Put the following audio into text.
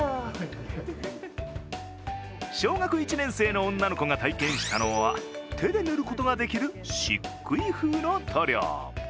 小学１年生の女の子が体験したのは、手で塗ることができるしっくい風の塗料。